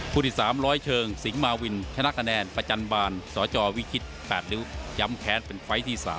คู่ที่สามล้อยเชิงสิงค์มาวินชนะคะแนนประจันบาลสจวิคิตแปดลิ้วยำแค้นเป็นไฟล์ที่๓